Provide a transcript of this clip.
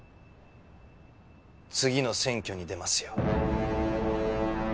次の選挙に出ますよ。